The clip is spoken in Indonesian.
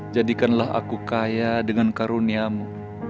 jadikanlah aku kaya dengan karuniamu